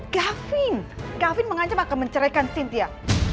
gavin gavin mengancam akan menceraikan cynthia